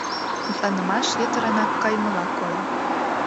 Мутланымаш йытыранак кайымыла койо.